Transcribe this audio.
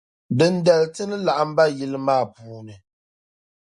Dindali tini laɣim ba yili maa puuni.